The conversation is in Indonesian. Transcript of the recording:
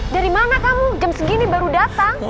darimana kamu jam segini baru dateng